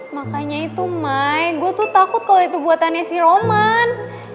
makanya itu my gue tuh takut kalau itu buatannya si roman